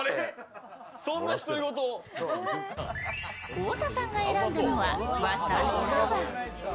太田さんが選んだのは、山葵そば。